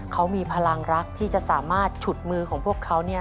เขามีพลังรักที่จะสามารถฉุดมือของพวกเขา